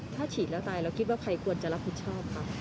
ถ้าฉีดแล้วตายเราคิดว่าใครควรจะรับผิดชอบคะ